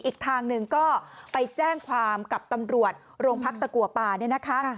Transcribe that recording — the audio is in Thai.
อีกทางหนึ่งก็ไปแจ้งความกับตำรวจโรงพักตะกัวป่าเนี่ยนะคะ